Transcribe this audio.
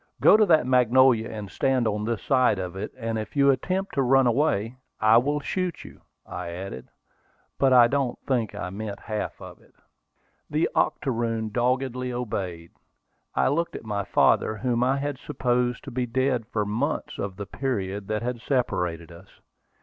"Go to that magnolia, and stand on this side of it: and if you attempt to run away, I will shoot you!" I added; but I don't think I meant half of it. The octoroon doggedly obeyed. I looked at my father, whom I had supposed to be dead for months of the period that had separated us.